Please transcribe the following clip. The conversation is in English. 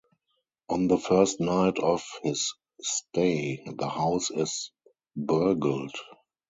On the first night of his stay, the house is burgled.